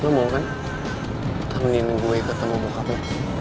lo mau kan tamenin gue ketemu bokapnya